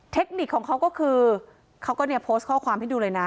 เทคนิคของเขาก็คือเขาก็เนี่ยโพสต์ข้อความให้ดูเลยนะ